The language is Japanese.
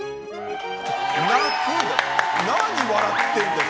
何笑ってるんだよ。